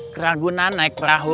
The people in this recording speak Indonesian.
keragunan naik perahu